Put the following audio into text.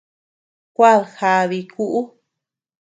Kuad jaadii kuʼu.